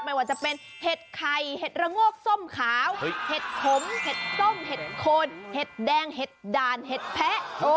ไม่ว่าจะเป็นเห็ดไข่เห็ดระโงกส้มขาวเห็ดขมเห็ดส้มเห็ดโคนเห็ดแดงเห็ดด่านเห็ดแพะ